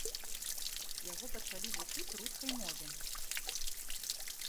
Яго пачалі вучыць рускай мове.